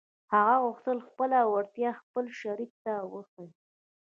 هغه غوښتل خپله وړتيا خپل شريک ته وښيي.